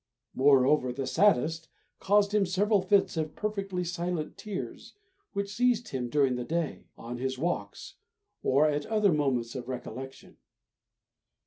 Moreover the "saddest" caused him several fits of perfectly silent tears, which seized him during the day, on his walks or at other moments of recollection.